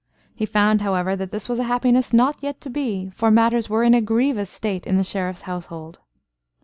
He found, however, that this was a happiness not yet to be, for matters were in a grievous state in the Sheriff's household.